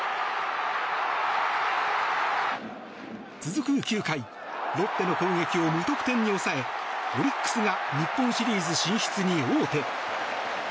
続く９回ロッテの攻撃を無得点に抑えオリックスが日本シリーズ進出に王手。